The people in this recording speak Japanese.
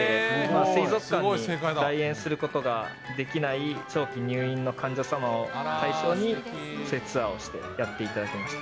水族館に来園することができない長期入院の患者様を対象に、ツアーをしてやっていただきました。